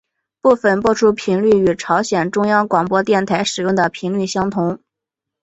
部分播出频率与朝鲜中央广播电台使用的频率相同。